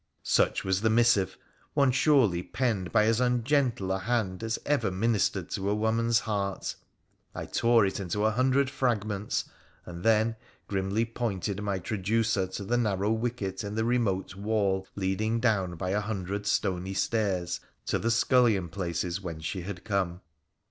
Such was the missive, one surely penned by as ungentle a hand as ever ministered to a woman's heart. I tore it into a hundred fragments, and then grimly pointed my traducer to the narrow wicket in the remote wall leading down by a hundred stony stairs to the scullion places whence she had come.